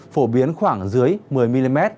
phổ biến khoảng dưới một mươi mm